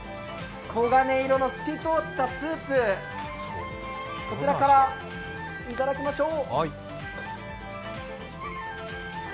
黄金色の透き通ったスープ、こちらからいただきましょう。